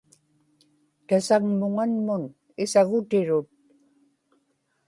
tasagmuŋanmun isagutirut